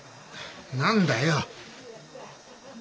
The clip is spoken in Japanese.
何だよ？